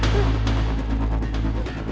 masuk kuliah dulu